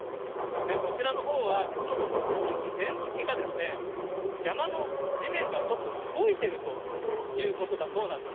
そちらのほうは実のところ、地域全域が山の地面がちょっと動いているということだそうなんです。